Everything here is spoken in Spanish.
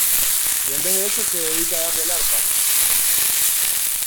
y en vez de eso, se dedica a darle al arpa.